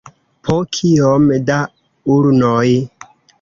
Po kiom da ulnoj?